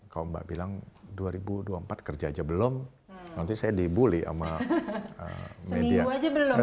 kalau mbak bilang dua ribu dua puluh empat kerja aja belum nanti saya dibully sama media